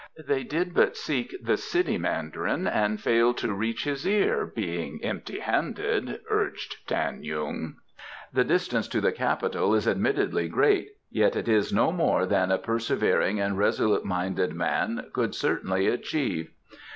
"They did but seek the city mandarin and failed to reach his ear, being empty handed," urged Tan yung. "The distance to the Capital is admittedly great, yet it is no more than a persevering and resolute minded man could certainly achieve.